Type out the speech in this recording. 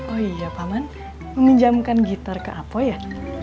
oh iya paman meminjamkan gitar ke apo ya